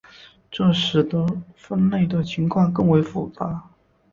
这使得分类的情况更为复杂。